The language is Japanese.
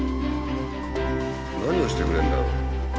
何をしてくれるんだろう？